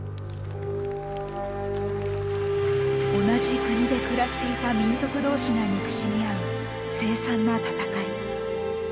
同じ国で暮らしていた民族同士が憎しみ合う凄惨な戦い。